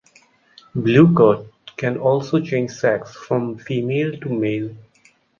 Blue cod can also change sex from female to male.